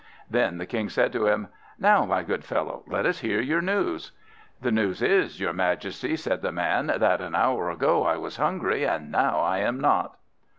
Then the King said to him: "Now, my good fellow, let us hear your news." "The news is, your Majesty," said the man, "that an hour ago I was hungry, and now I am not!"